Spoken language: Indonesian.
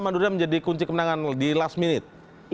madura menjadi kunci kemenangan di last minute